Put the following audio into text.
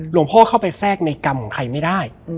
เข้าไปแทรกในกรรมของใครไม่ได้